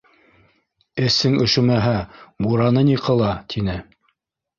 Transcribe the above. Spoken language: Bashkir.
— Эсең өшөмәһә, бураны ни ҡыла? — тине.